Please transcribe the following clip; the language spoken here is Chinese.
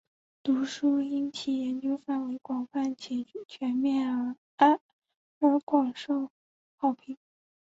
该书因其研究范围广泛且全面而广受好评。